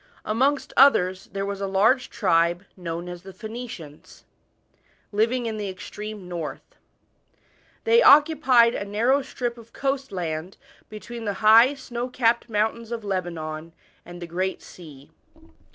Amongst others there was a large tr'oe, known as the Phoenicians, living in the extreme north. They occupied ai narrow strip of coast land between the high snow capped mountains of Lebanon and the Great Sea.